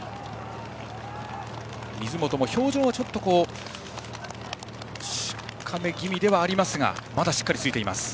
水本も表情はちょっとしかめ気味ではありますがまだしっかり、ついています。